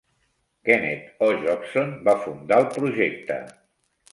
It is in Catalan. Kenneth O Jobson va fundar el projecte.